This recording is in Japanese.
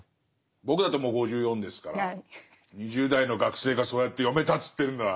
僕だってもう５４ですから２０代の学生がそうやって読めたっつってるんなら。